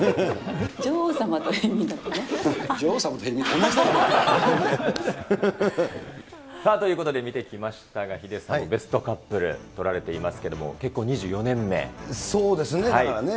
同じだよ。さあ、ということで見てきましたが、ヒデさんもベストカップル、取られていますけども、結婚２４そうですね、だからね。